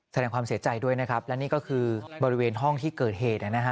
แสดงความเสียใจด้วยนะครับและนี่ก็คือบริเวณห้องที่เกิดเหตุนะฮะ